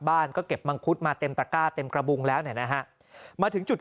ก็เก็บมังคุดมาเต็มตะก้าเต็มกระบุงแล้วเนี่ยนะฮะมาถึงจุด